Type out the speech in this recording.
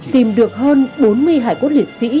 tìm được hơn bốn mươi hải quốc liệt sĩ